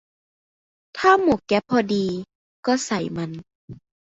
ถ้าหมวกแก๊ปพอดี ก็ใส่มัน